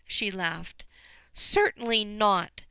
she laughed. "Certainly not.